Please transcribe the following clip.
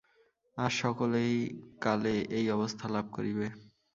আর সকলেই কালে এই অবস্থা লাভ করিবে।